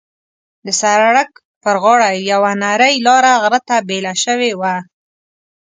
د سړک پر غاړه یوه نرۍ لاره غره ته بېله شوې وه.